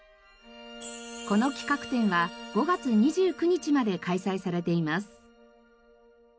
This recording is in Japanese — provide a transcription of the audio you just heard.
この企画展は５月２９日まで開催されています。